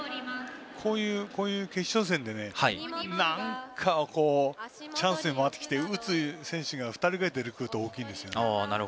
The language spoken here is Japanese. こういう決勝戦でなんかチャンスをもらってきて打つ選手が２人ぐらい出てくると大きいです。